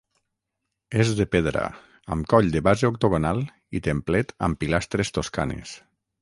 És de pedra, amb coll de base octogonal i templet amb pilastres toscanes.